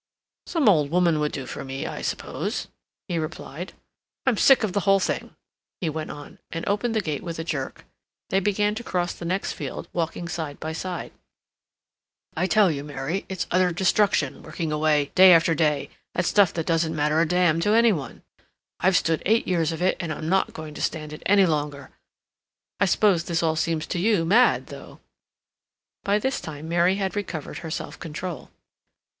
"Some old woman would do for me, I suppose," he replied. "I'm sick of the whole thing," he went on, and opened the gate with a jerk. They began to cross the next field walking side by side. "I tell you, Mary, it's utter destruction, working away, day after day, at stuff that doesn't matter a damn to any one. I've stood eight years of it, and I'm not going to stand it any longer. I suppose this all seems to you mad, though?" By this time Mary had recovered her self control.